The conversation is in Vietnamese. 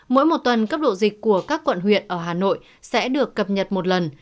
mỗi một tuần cấp độ dịch của các quận huyện ở hà nội sẽ được cập nhật một lần